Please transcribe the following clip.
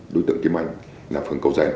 đối tượng kim anh là phường cầu giang